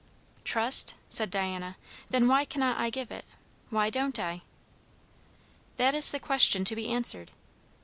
"Trust?" said Diana. "Then why cannot I give it? why don't I?" "That is the question to be answered.